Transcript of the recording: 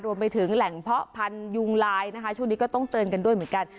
รวมไปถึงแหล่งเพาะพันธุยุงลายนะคะช่วงนี้ก็ต้องเตือนกันด้วยเหมือนกัน